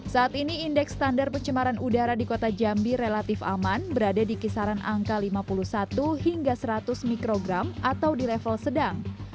saat ini indeks standar pencemaran udara di kota jambi relatif aman berada di kisaran angka lima puluh satu hingga seratus mikrogram atau di level sedang